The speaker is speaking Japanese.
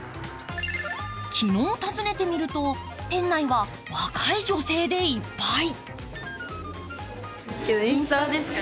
昨日、訪ねてみると、店内は若い女性でいっぱい。